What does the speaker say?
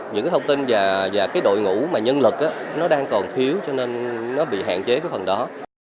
những cái thông tin và cái đội ngũ mà nhân lực nó đang còn thiếu cho nên nó bị hạn chế cái phần đó